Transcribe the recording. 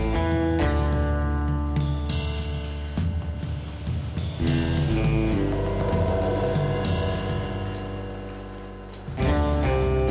pada saat ini udah